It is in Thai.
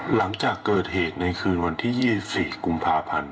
หลังจากเกิดเหตุในคืนวันที่๒๔กุมภาพันธ์